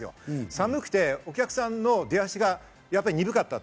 寒くてお客さんの出足が鈍かった。